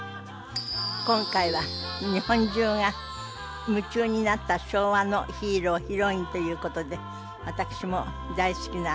今回は日本中が夢中になった昭和のヒーロー＆ヒロインという事で。